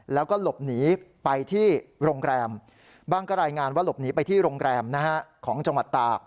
แล้วก็หลบหนีไปที่โรงแรมบ้างก็รายงานว่าหลบหนีไปที่โรงแรมของจังหวัดตาก